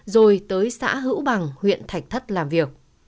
rồi tới xã hữu bằng huyện thạch thất làm việc